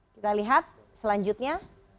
kita lihat selanjutnya